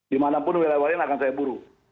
di mana pun wilayah lain akan saya buru